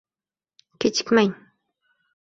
Kechikmang!